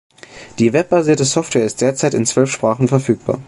Die webbasierte Software ist derzeit in zwölf Sprachen verfügbar.